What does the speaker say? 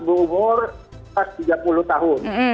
berumur tiga puluh tahun